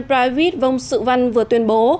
pravid vongsu van vừa tuyên bố